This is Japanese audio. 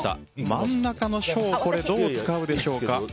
真ん中の小をどう使うでしょうか。